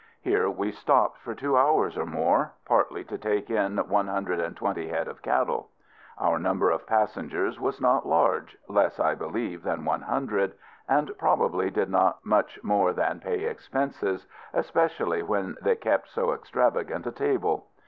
Here we stopped for two hours or more partly to take in one hundred and twenty head of cattle. Our number of passengers was not large less, I believe, than one hundred and probably did not much more than pay expenses, especially when they kept so extravagant a table.